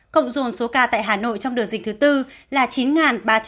cộng dồn số ca tại hà nội trong đợt dịch thứ tư là chín ba trăm sáu mươi tám ca